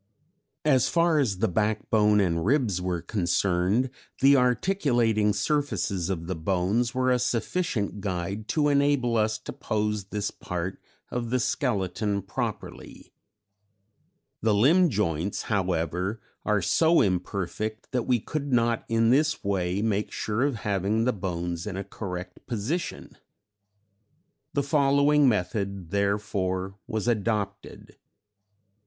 "As far as the backbone and ribs were concerned, the articulating surfaces of the bones were a sufficient guide to enable us to pose this part of the skeleton properly. The limb joints, however, are so imperfect that we could not in this way make sure of having the bones in a correct position. The following method, therefore, was adopted.